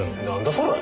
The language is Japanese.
それ。